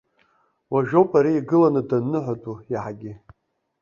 Уажәоуп ари игыланы данныҳәатәу иаҳагьы.